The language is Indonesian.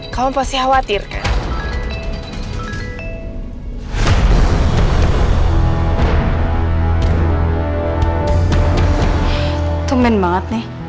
kau pasti khawatir kan